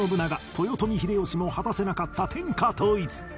豊臣秀吉も果たせなかった天下統一